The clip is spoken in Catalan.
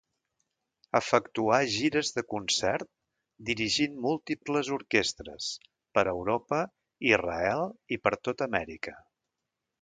Efectuà gires de concert dirigint múltiples orquestres, per Europa, Israel i per tota Amèrica.